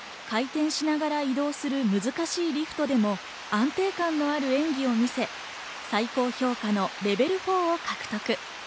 回転しながら移動する難しいリフトでも安定感のある演技をみせ、最高評価のレベル４を獲得。